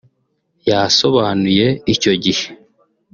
yasobanuye icyo gihe